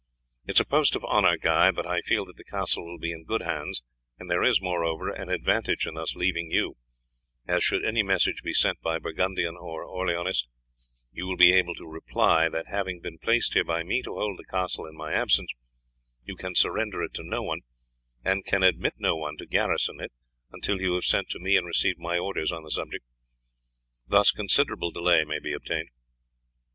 It is a post of honour, Guy, but I feel that the castle will be in good hands; and there is, moreover, an advantage in thus leaving you, as, should any message be sent by Burgundian or Orleanist, you will be able to reply that, having been placed here by me to hold the castle in my absence, you can surrender it to no one, and can admit no one to garrison it, until you have sent to me and received my orders on the subject. Thus considerable delay may be obtained.